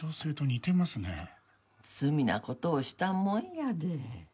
罪な事をしたもんやで。